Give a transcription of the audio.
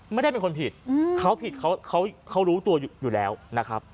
ไม่ได้เป็นคนผิดอืมเขาผิดเขาเขาเขารู้ตัวอยู่อยู่แล้วนะครับ